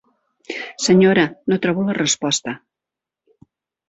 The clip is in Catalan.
Senyora, no trobo la resposta.